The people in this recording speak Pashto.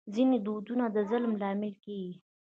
ځینې دودونه د ظلم لامل کېږي.